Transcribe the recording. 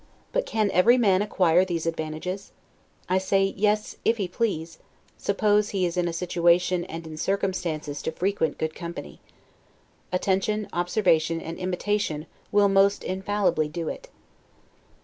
But can every man acquire these advantages? I say, Yes, if he please, suppose he is in a situation and in circumstances to frequent good company. Attention, observation, and imitation, will most infallibly do it.